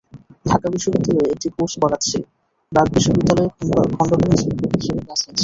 ঢাকা বিশ্ববিদ্যালয়ে একটি কোর্স পড়াচ্ছি, ব্র্যাক বিশ্ববিদ্যালয়ে খণ্ডকালীন শিক্ষক হিসেবে ক্লাস নিচ্ছি।